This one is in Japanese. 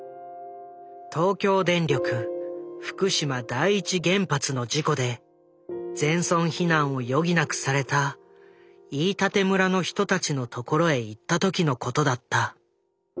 東京電力福島第一原発の事故で全村避難を余儀なくされた飯舘村の人たちのところへ行った時のことだった。